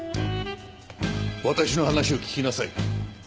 私の話を聞きなさい。